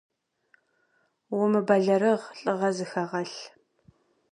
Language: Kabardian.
Умыбэлэрыгъ, лӏыгъэ зыхэгъэлъ!